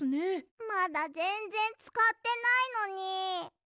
まだぜんぜんつかってないのに。